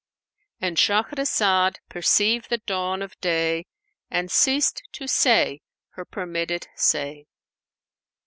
'"—And Shahrazad perceived the dawn of day and ceased to say her permitted say.